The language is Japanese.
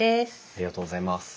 ありがとうございます。